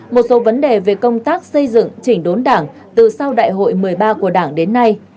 một số vấn đề về công tác xây dựng chỉnh đốn đảng từ sau đại hội một mươi ba của đảng đến nay